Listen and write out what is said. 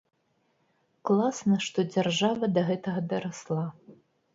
Класна, што дзяржава да гэтага дарасла.